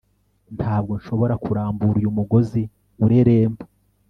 Ntabwo nshobora kurambura uyu mugozi ureremba